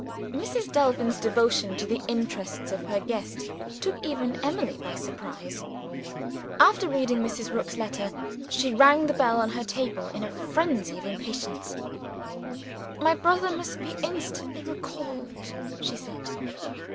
Mrs. Delvin's devotion to the interests of her guest took even Emily by surprise. After reading Mrs. Rook's letter, she rang the bell on her table in a frenzy of impatience. "My brother must be instantly recalled," she said.